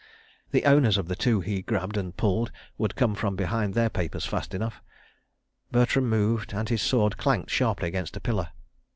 The owners of the two he grabbed and pulled would come from behind their papers fast enough. ... Bertram moved, and his sword clanked sharply against a pillar.